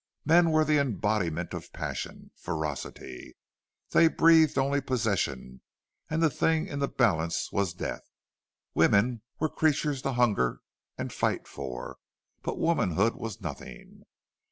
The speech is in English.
Men were the embodiment of passion ferocity. They breathed only possession, and the thing in the balance was death. Women were creatures to hunger and fight for, but womanhood was nothing.